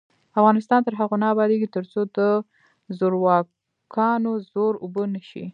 افغانستان تر هغو نه ابادیږي، ترڅو د زورواکانو زور اوبه نشي.